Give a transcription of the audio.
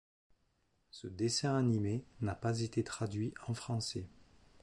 Ce dessin animé n'a pas été traduit en français.